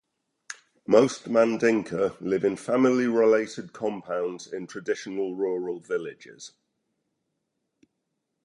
Most Mandinka live in family-related compounds in traditional rural villages.